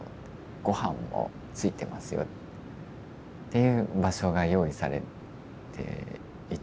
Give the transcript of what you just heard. ごはんもついてますよっていう場所が用意されていたんですよね。